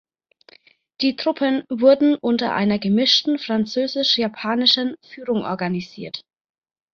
Die Truppen wurden unter einer gemischten französisch-japanischen Führung organisiert.